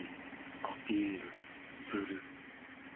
アピールする。